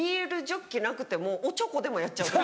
ジョッキなくてもおちょこでもやっちゃう。